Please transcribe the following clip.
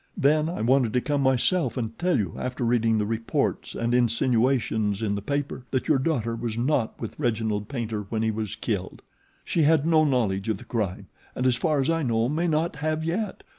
Then I wanted to come myself and tell you, after reading the reports and insinuations in the paper, that your daughter was not with Reginald Paynter when he was killed. She had no knowledge of the crime and as far as I know may not have yet.